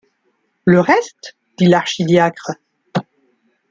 Le reste ? dit l’archidiacre.